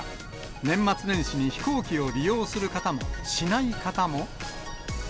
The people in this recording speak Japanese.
年末年始に飛行機を利用する方も、しない方も。